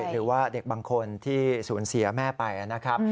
หรือว่าเด็กบางคนที่สูญเสียแม่ไปนะครับ